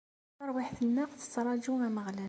Tarwiḥt-nneɣ tettraǧu Ameɣlal.